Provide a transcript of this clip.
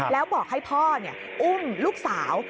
แล้วบอกให้พ่ออุ้มลูกสาว